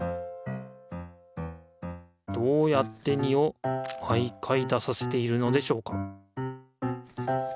どうやって２を毎回出させているのでしょうか？